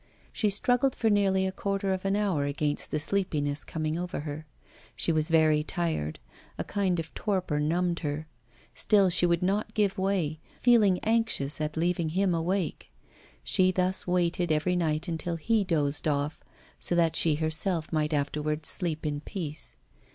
She struggled for nearly a quarter of an hour against the sleepiness coming over her. She was very tired, and a kind of torpor numbed her; still she would not give way, feeling anxious at leaving him awake. She thus waited every night until he dozed off, so that she herself might afterwards sleep in peace.